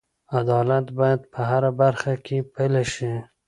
عدالت باید په هره برخه کې پلی شي.